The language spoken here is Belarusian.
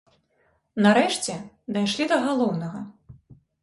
Нарэшце, дайшлі да галоўнага.